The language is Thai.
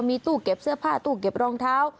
มีตู้เก็บเสื้อผ้าตู้เก็บรองเท้า